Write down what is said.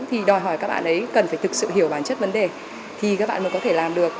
thì đòi hỏi các bạn ấy cần phải thực sự hiểu bản chất vấn đề thì các bạn mới có thể làm được